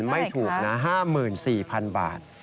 ไม่ถูกนะ๕๔๐๐๐บาท